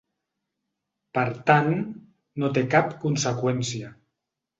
Per tant, no té cap conseqüència.